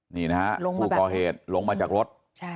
นี่นะฮะผู้ก่อเหตุลงมาจากรถ